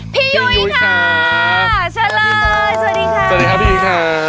ยุ้ยค่ะเชิญเลยสวัสดีค่ะสวัสดีครับพี่ยุ้ยค่ะ